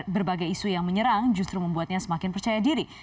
berbagai isu yang menyerang justru membuatnya semakin percaya diri